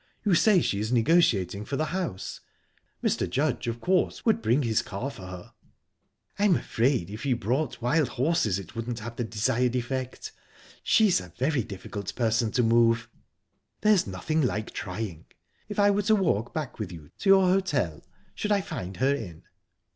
You say she is negotiating for the house. Mr. Judge, of course, would bring his car for her." "I'm afraid if he brought wild horses it wouldn't have the desired effect. She's a very difficult person to move." "There's nothing like trying. If I were to walk back with you to your hotel, should I find her in?"